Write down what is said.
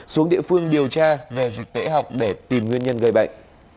xuống địa phương điều tra về dịch tễ học để tìm nguyên nhân gây bệnh